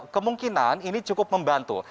kemungkinan ini cukup membantu